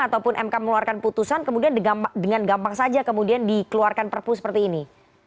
ataupun mk mengeluarkan putusan kemudian dengan gampang saja kemudian dikeluarkan perpu seperti ini